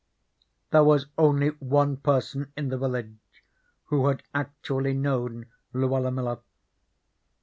There was only one person in the village who had actually known Luella Miller.